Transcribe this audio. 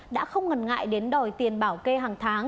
đã không ngần ngại đến đòi tiền bảo kê hàng tháng